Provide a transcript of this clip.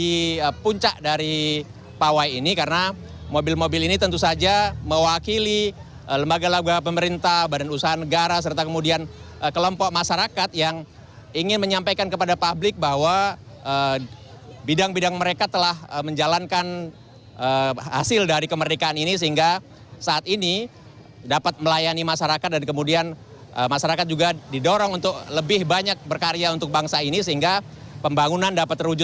ini tentu saja menjadi puncak dari pawai ini karena mobil mobil ini tentu saja mewakili lembaga lagu pemerintah badan usaha negara serta kemudian kelompok masyarakat yang ingin menyampaikan kepada publik bahwa bidang bidang mereka telah menjalankan hasil dari kemerdekaan ini sehingga saat ini dapat melayani masyarakat dan kemudian masyarakat juga didorong untuk lebih banyak berkarya untuk bangsa ini sehingga pembangunan dapat berjalan